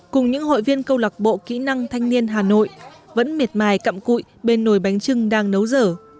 cùng những hội viên câu lạc bộ kỹ năng thanh niên hà nội vẫn miệt mài cặm cụi bên nồi bánh trưng đang nấu dở